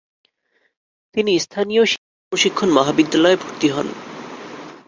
তিনি স্থানীয় শিক্ষক প্রশিক্ষণ মহাবিদ্যালয়ে ভর্তি হন।